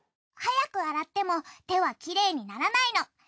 早く洗っても手はきれいにならないの。